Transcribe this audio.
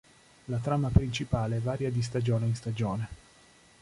La trama principale varia di stagione in stagione.